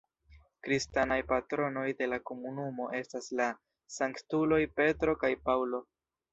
Kristanaj patronoj de la komunumo estas la sanktuloj Petro kaj Paŭlo.